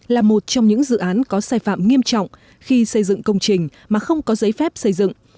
là một trong những dự án có sai phạm nghiêm trọng khi xây dựng công trình mà không có giấy phép xây dựng